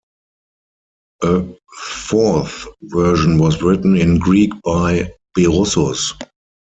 A fourth version was written in Greek by Berossus.